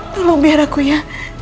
tolong biar aku ya